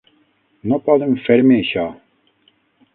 No poden fer-me això!